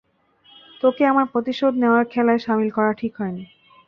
তোকে আমার প্রতিশোধ নেওয়ার খেলায় শামিল করা ঠিক হয়নি।